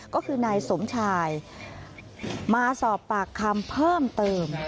ก็คือนายสมชายมาสอบปากคำเพิ่มเติม